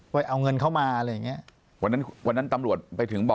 ปากกับภาคภูมิ